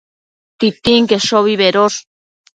Titinqueshobi bedosh